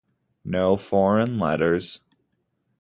No foreign letters